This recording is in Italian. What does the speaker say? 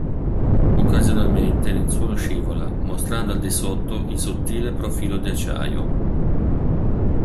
Occasionalmente il lenzuolo scivola, mostrando al di sotto il sottile profilo di acciaio.